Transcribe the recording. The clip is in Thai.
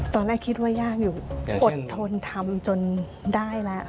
ตอนแรกคิดว่ายากอยู่อดทนทำจนได้แล้ว